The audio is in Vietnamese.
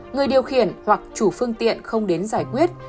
người điều khiển hoặc chủ phương tiện không đến giải quyết